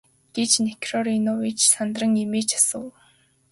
гэж Никанор Иванович сандран эмээж асуув.